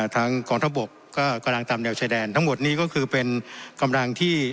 กองทัพบกก็กำลังตามแนวชายแดนทั้งหมดนี้ก็คือเป็นกำลังที่